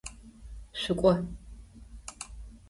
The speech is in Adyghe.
Шъукӏо!